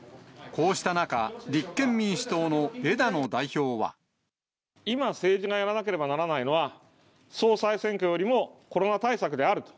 こうした中、今、政治がやらなければならないのは、総裁選挙よりもコロナ対策であると。